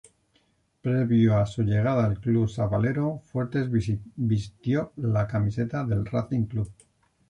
Previo a su llegada al club "sabalero", Fuertes vistió la camiseta de Racing Club.